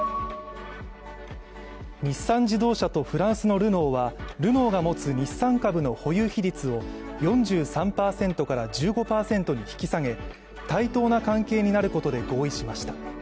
日産自動車とフランスのルノーは、ルノーが持つ日産株の保有比率を４３％から１５％に引き下げ対等な関係になることで合意しました。